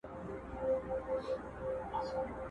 په دې زور سو له لحده پاڅېدلای؛